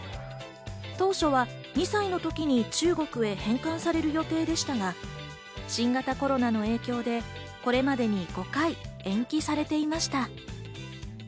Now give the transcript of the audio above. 当初は２歳の時に中国へ返還される予定でしたが、新型コロナの影響でこれまでに５回延期されていました。